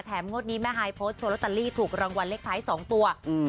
แถมงวดนี้แม่ฮายโพสต์โชว์ละตัลลี่ถูกรางวัลเลขท้าย๒ตัว